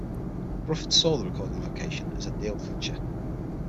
Bruford saw the recording location as "a deal clincher".